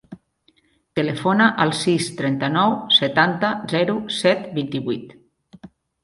Telefona al sis, trenta-nou, setanta, zero, set, vint-i-vuit.